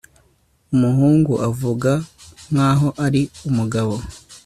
umuhungu avuga nkaho ari umugabo